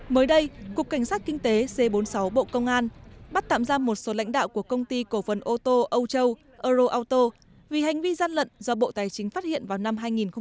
mới đây cục cảnh sát kinh tế c bốn mươi sáu bộ công an bắt tạm ra một số lãnh đạo của công ty cổ phần ô tô âu châu euro auto vì hành vi gian lận do bộ tài chính phát hiện vào năm hai nghìn một mươi